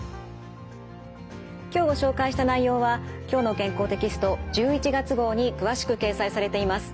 今日ご紹介した内容は「きょうの健康」テキスト１１月号に詳しく掲載されています。